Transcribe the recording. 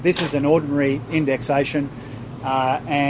tapi ini adalah indeksasi yang biasa